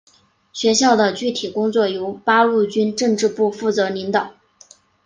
学校的具体工作由八路军政治部负责领导。